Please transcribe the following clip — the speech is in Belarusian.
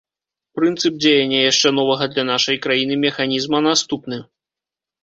Прынцып дзеяння яшчэ новага для нашай краіны механізма наступны.